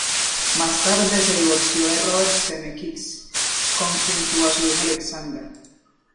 Más tarde se divorció de Robert Zemeckis con quien tuvo a su hijo Alexander.